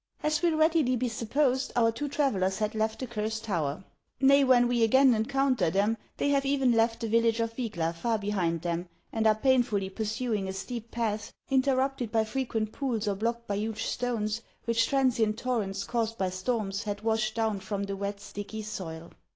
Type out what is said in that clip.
As will readily be supposed, our two travellers Lad left the Cursed Tower ; nay, when we again encounter them, they have even left the village of Yygla far behind them, and are painfully pursuing a steep path, interrupted by frequent pools or blocked by huge stones, which tran sient torrents caused by storms had washed down from the wet, sticky soil.